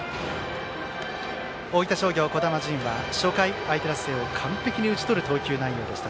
大分商業、児玉迅は初回相手打線を完璧に打ち取る投球内容でした。